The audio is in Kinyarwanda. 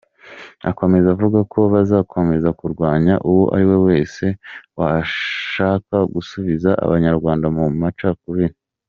Akomeza avuga ko bazakomeza kurwanya uwo ari we wese washaka gusubiza abanyarwanda mu macakubiri.